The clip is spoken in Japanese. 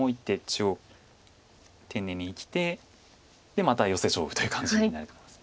中央丁寧に生きてでまたヨセ勝負という感じになると思います。